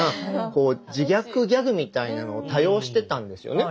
こう自虐ギャグみたいなのを多用してたんですよね。